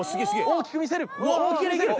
大きく見せる！